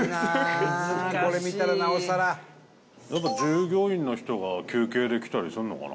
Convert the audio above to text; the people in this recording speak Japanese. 富澤：従業員の人が休憩で来たりするのかな？